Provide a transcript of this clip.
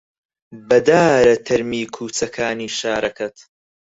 بەدارە تەرمی کووچەکانی شارەکەت